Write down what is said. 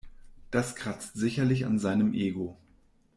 Das kratzt sicherlich an seinem Ego.